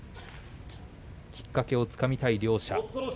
きっかけをつかみたい両者。